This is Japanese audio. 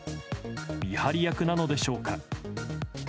見張り役なのでしょうか。